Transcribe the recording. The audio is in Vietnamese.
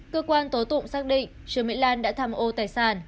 cơ quan tố tụng xác định trương mỹ lan đã tham ô tài sản